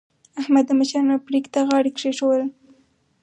احمد د مشرانو پرېکړې ته غاړه کېښودله.